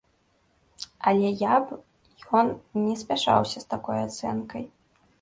Але я б ён не спяшаўся з такой ацэнкай.